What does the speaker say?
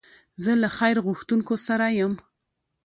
زه له خیر غوښتونکو سره یم.